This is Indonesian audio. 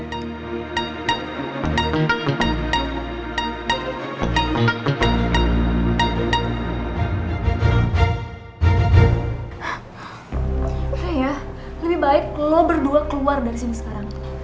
oke ya lebih baik lo berdua keluar dari sini sekarang